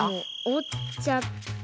おっちゃって。